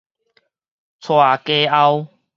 娶家後